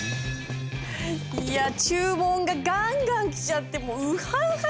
いや注文がガンガン来ちゃってもうウハウハだな。